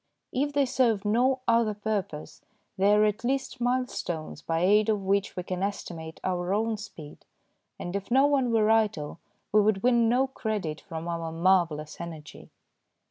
If they serve no other purpose, they are at least mile stones by aid of which we can estimate our own speed, and if no one were idle we would win no credit from our marvellous energy.